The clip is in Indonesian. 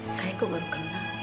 saya kebaru kenal